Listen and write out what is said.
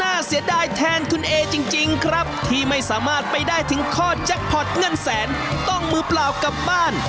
เสียดายแทนคุณเอจริงครับที่ไม่สามารถไปได้ถึงข้อแจ็คพอร์ตเงินแสนต้องมือเปล่ากลับบ้าน